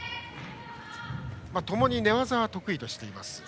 ともに寝技は得意としています。